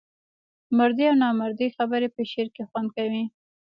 مردۍ او نامردۍ خبري په شعر کې خوند کوي.